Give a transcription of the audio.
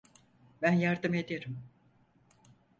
Ben yardım ederim.